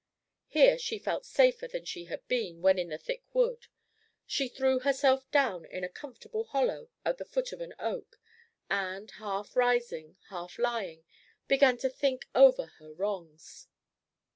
Here she felt safer than she had been when in the thick wood. She threw herself down in a comfortable hollow at the foot of an oak, and, half sitting, half lying, began to think over her wrongs.